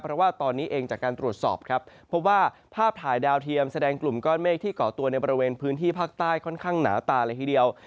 เพราะว่าตอนนี้เองจากการตรวจสอบครับพบว่าภาพถ่ายดาวเทียมแสดงกลุ่มก้อนเมฆที่เกาะตัวในบริเวณพื้นที่ภาคใต้ค่อนข้างหนาตาเลยทีเดียว